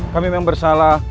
kami memang bersalah